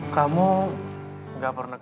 kamu ga pernah